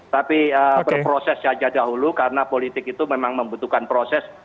tapi berproses saja dahulu karena politik itu memang membutuhkan proses